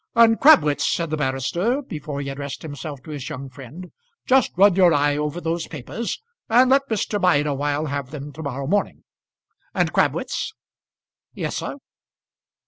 "And, Crabwitz," said the barrister, before he addressed himself to his young friend, "just run your eye over those papers, and let Mr. Bideawhile have them to morrow morning; and, Crabwitz ." "Yes, sir."